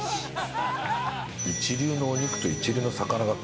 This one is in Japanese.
一流のお肉と一流の魚が食える。